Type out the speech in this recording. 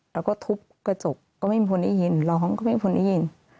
แล้วก็ทุบกระจกก็ไม่มีคนได้ยินร้องก็ไม่มีคนได้ยิน